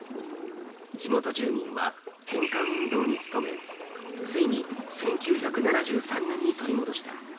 地元住民は返還運動につとめ、ついに１９７３年に取り戻した。